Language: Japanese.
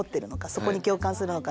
そこに共感するのかっていう。